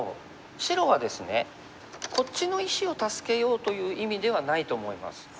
白はですねこっちの石を助けようという意味ではないと思います。